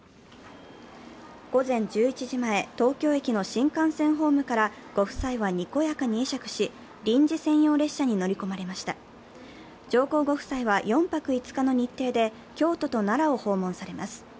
午前１１時前、東京駅の新幹線ホームからご夫妻はにこやかに会釈し臨時専用列車に乗り込まれました上皇ご夫妻は４泊５日の日程で京都と奈良を訪問されます。